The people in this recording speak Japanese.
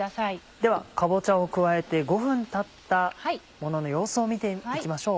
ではかぼちゃを加えて５分たったものの様子を見て行きましょう。